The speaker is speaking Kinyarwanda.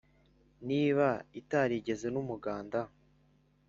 niba itarigeze n'umuganda